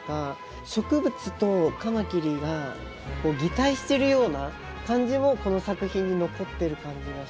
植物とカマキリが擬態してるような感じもこの作品に残ってる感じがして。